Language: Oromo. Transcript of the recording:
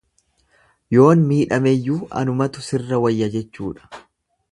Yoon miidhameyyuu anumatu sirra wayya jechuudha.